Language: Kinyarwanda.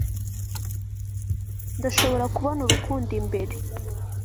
ndashobora kubona urukundo imbere